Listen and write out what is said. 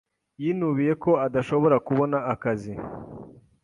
Yinubiye ko adashobora kubona akazi.